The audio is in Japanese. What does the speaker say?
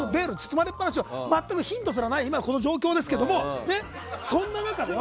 全くヒントすらないこの状況ですけども、そんな中よ。